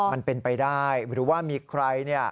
มันเป็นไปได้หรือว่ามีใคร